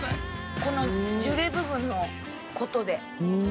このジュレ部分のことで。